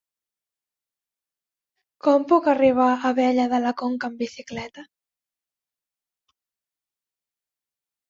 Com puc arribar a Abella de la Conca amb bicicleta?